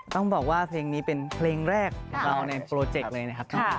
ต้องบอกว่าเพลงนี้เป็นเพลงแรกของเราในโปรเจกต์เลยนะครับ